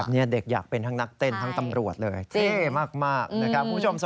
นี่เด็กอยากเป็นทั้งนักเต้นทั้งตำรวจเลยเท่มากนะครับคุณผู้ชม